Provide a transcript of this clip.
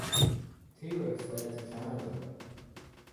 Taylor fled to Canada.